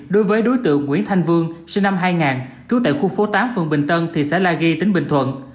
đối với đối tượng nguyễn thanh vương sinh năm hai nghìn trú tại khu phố tám phường bình tân thị xã la ghi tỉnh bình thuận